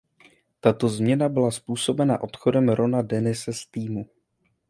Tato změna byla způsobena odchodem Rona Dennise z týmu.